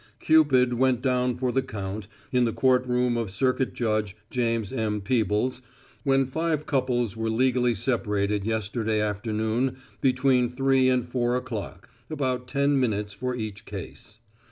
Cupid went down for the count in the courtroom of Circuit Judge James M. Peebles when five couples were legally separated yesterday afternoon between 3 and 4 o'clock about ten minutes for each case.